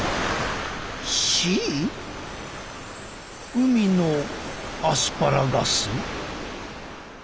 海のアスパラガス？